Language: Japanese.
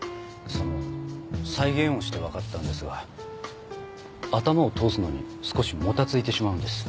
その再現をして分かったんですが頭を通すのに少しもたついてしまうんです。